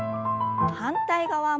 反対側も。